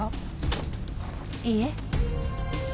いいえ。